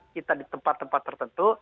kita di tempat tempat tertentu